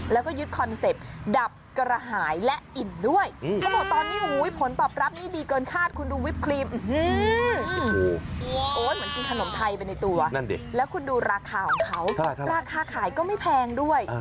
แล้วก็ยึดคอนเซ็ปต์ดับกระหายและอิ่มด้วยเขาบอกตอนนี้ผลตอบรับนี่ดีเกินคาดคุณดูวิปครีมโอ๊ยเหมือนกินขนมไทยไปในตัวนั่นดิแล้วคุณดูราคาของเขาราคาขายก็ไม่แพงด้วย